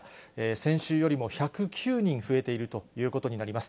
先週よりも１０９人増えているということになります。